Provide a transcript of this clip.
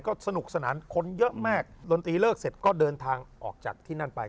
ก็สนุกสนานคนเยอะมากดนตรีเลิกเสร็จก็เดินทางออกจากที่นั่นไป